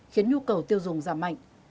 khiến nhu cầu tiêu dùng giảm mạnh